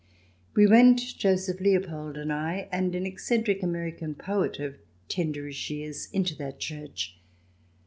We went, Joseph Leopold and I, and an eccentric American poet of tenderish years, into that church.